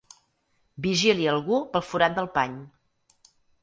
Vigili algú pel forat del pany.